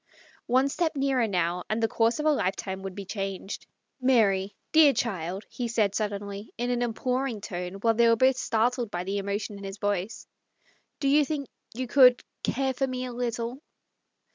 One step nearer, now, and the course of a life time would be changed. " Mary, dear child,' 1 he said suddenly, in an imploring tone, while they were both startled by the loudness of his voice, " do you think you — care for me a little